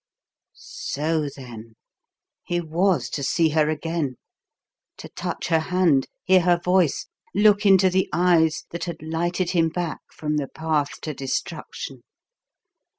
So, then, he was to see her again, to touch her hand, hear her voice, look into the eyes that had lighted him back from the path to destruction!